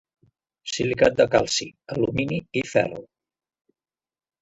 Silicat de calci, alumini i ferro.